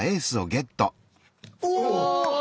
お！